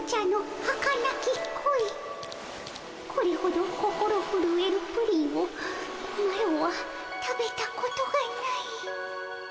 これほど心ふるえるプリンをマロは食べたことがない。